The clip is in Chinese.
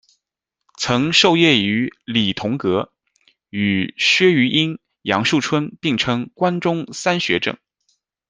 曾授业于李桐阁，与薛于瑛、杨树椿并称“关中三学正”。